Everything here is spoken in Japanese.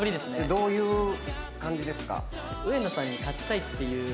どういう感じですか？